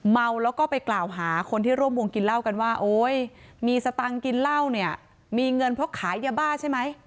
เมาแล้วก็ไปกล่าวหาคนที่ร่วมวงกินเหล้ากันว่าโอ๊ยมีสตังค์กินเหล้าเนี่ยมีเงินเพราะขายยาบ้าใช่ไหม